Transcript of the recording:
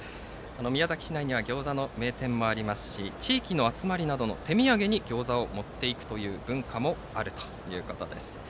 宮崎市内にはギョーザの名店もありますし地域の集まりなどの手土産にギョーザを持っていくという文化もあるということです。